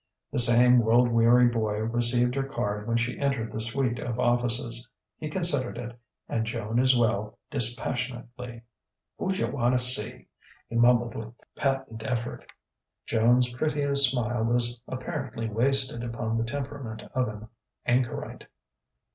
The same world weary boy received her card when she entered the suite of offices. He considered it, and Joan as well, dispassionately. "Whoja wanna see?" he mumbled with patent effort. Joan's prettiest smile was apparently wasted upon the temperament of an anchorite.